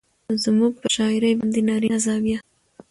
زموږ پر شاعرۍ باندې نارينه زاويه